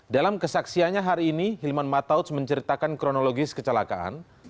dalam kesaksiannya hari ini hilman matautz menceritakan kronologis kecelakaan